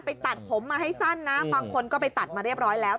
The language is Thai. ตัดผมมาให้สั้นนะบางคนก็ไปตัดมาเรียบร้อยแล้ว